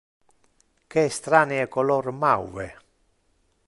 Que estranie color mauve!